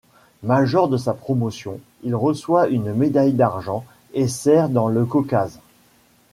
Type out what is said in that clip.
Major de sa promotion il reçoit une médaille d’argent et sert dans le Caucase.